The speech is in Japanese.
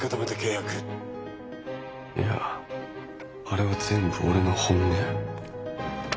あれは全部俺の本音。